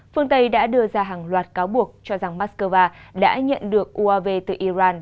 phương tây đã đưa ra hàng loạt cáo buộc cho rằng moscow đã nhận được uav từ iran